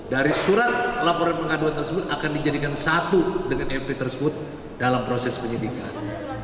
dari surat laporan pengaduan tersebut akan dijadikan satu dengan mp tersebut dalam proses penyidikan